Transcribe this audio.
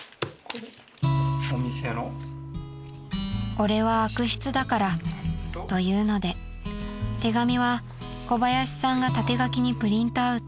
［「俺は悪筆だから」と言うので手紙は小林さんが縦書きにプリントアウト］